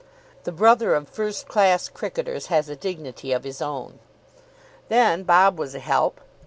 The brother of first class cricketers has a dignity of his own. Then Bob was a help.